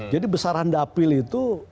jadi besaran dapil itu